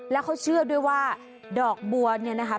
แล้วเขาเชื่อด้วยว่าดอกบัวเนี่ยนะคะ